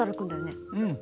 うん。